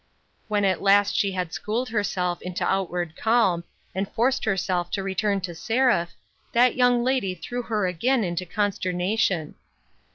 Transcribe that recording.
When at last she had schooled herself into out ward calm, and forced herself to return to Seraph, that young lady threw her again into consternation.